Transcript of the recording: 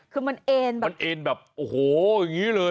คือมันเอ็นมันเอ็นแบบโอ้โหอย่างนี้เลย